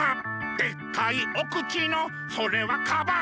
「でっかいお口のそれはカバ！」